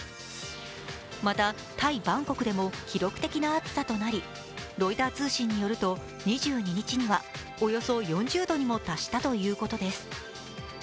また、タイ・バンコクでも記録的な暑さとなりロイター通信によると２２日にはおよそ４０度にも達したということです。